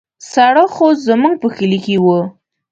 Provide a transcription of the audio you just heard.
ساړه خو زموږ په کلي کې وو.